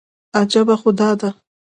عجیبه خو دا ده.